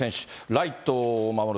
ライトを守る